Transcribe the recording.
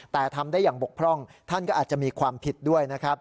แต่ทำได้อย่างบกพร่องท่านก็อาจจะมีความผิดด้วยนะครับ